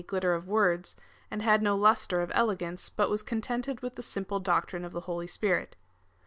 glitter of words, and had no lustre of elegance, but was contented witli the simple doctrine of the Holy Spirit.